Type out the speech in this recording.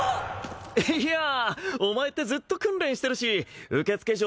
いやお前ってずっと訓練してるし受付嬢